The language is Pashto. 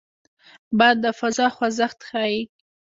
باد د فضا خوځښت ښيي